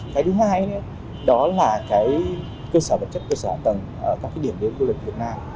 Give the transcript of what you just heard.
cái thứ hai đó là cái cơ sở vật chất cơ sở hóa tầng ở các cái điểm đến du lịch việt nam